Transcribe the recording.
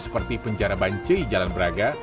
seperti penjara bancii jalan braga